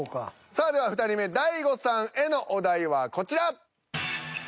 さあでは２人目大悟さんへのお題はこちら。